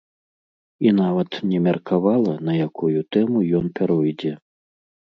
І нават не меркавала, на якую тэму ён пяройдзе.